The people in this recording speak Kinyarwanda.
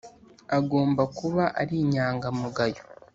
agomba kuba ari inyangamugayo,